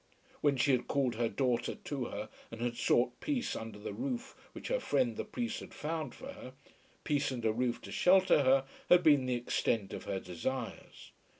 When she had called her daughter to her, and had sought peace under the roof which her friend the priest had found for her, peace and a roof to shelter her had been the extent of her desires.